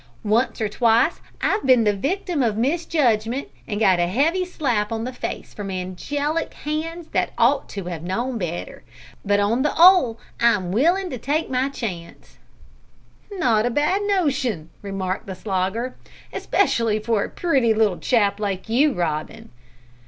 Once or twice I've been the victim of misjudgment, and got a heavy slap on the face from angelic hands that ought to 'ave known better, but on the 'ole I'm willin' to take my chance." "Not a bad notion," remarked the Slogger; "especially for a pretty little chap like you, Robin."